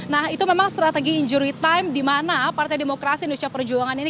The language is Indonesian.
nah itu memang strategi injury time di mana partai demokrasi indonesia perjuangan ini